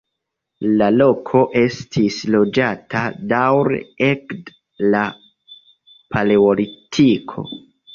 La loko estis loĝata daŭre ekde la paleolitiko.